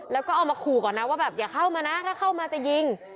แล้วก็เอามาขู่ก่อนนะว่าแบบอย่าเข้ามานะถ้าเข้ามาจะยิง